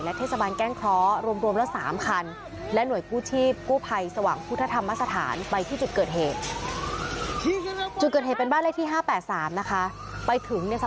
และเทศบาลแก้งเคราะห์รวมและสามคัน